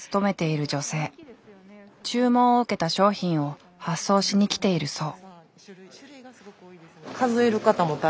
注文を受けた商品を発送しに来ているそう。